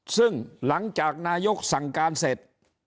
ซึ่งหลังจากนายกสั่งการเสร็จ